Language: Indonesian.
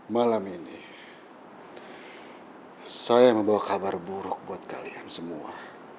malam ini saya membawa kabar buruk buat kalian semua